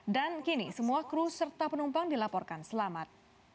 dan kini semua kru serta penumpang dilaporkan selamat